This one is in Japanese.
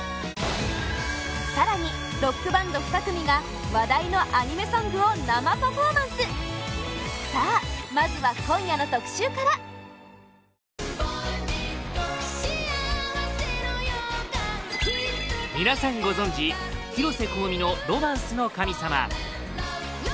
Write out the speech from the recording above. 更に、ロックバンド２組が話題のアニメソングを生パフォーマンスさあ、まずは今夜の特集から皆さんご存じ広瀬香美の「ロマンスの神様」